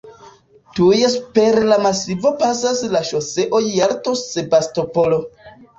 Tuj super la masivo pasas la ŝoseo Jalto-Sebastopolo.